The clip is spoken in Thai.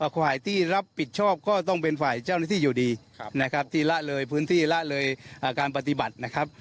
ฝ่ายที่รับผิดชอบก็ต้องเป็นฝ่ายเจ้าหน้าที่อยู่ดีนะครับที่ละเลยพื้นที่ละเลยการปฏิบัตินะครับ